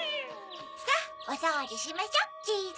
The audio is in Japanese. さぁおそうじしましょチーズ。